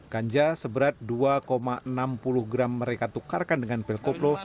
ganja seberat dua enam puluh gram mereka tukarkan dengan pil koplo